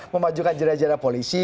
memajukan jenajah polisi